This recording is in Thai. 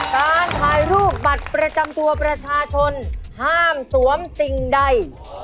การถ่ายรูปบัตรประจำตัวประชาชนห้ามสวมสิ่งใด